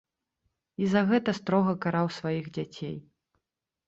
І за гэта строга караў сваіх дзяцей.